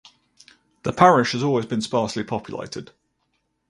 The parish has always been sparsely populated.